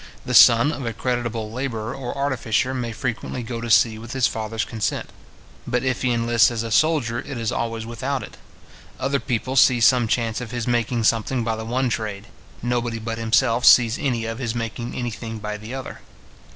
The son of a creditable labourer or artificer may frequently go to sea with his father's consent; but if he enlists as a soldier, it is always without it. Other people see some chance of his making something by the one trade; nobody but himself sees any of his making any thing by the other.